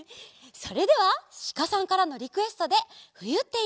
それではシカさんからのリクエストで「ふゆっていいな」。